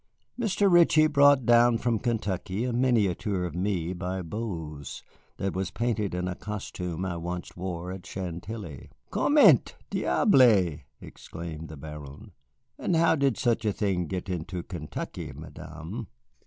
"Mr. Ritchie brought down from Kentucky a miniature of me by Boze, that was painted in a costume I once wore at Chantilly." "Comment! diable," exclaimed the Baron. "And how did such a thing get into Kentucky, Madame?"